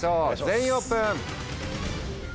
全員オープン。